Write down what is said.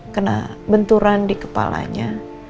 kena benturan di kepalanya